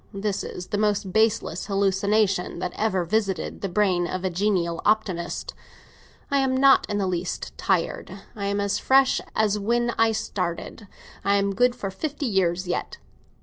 This is the most baseless hallucination that ever visited the brain of a genial optimist. I am not in the least tired; I am as fresh as when I started; I am good for fifty years yet.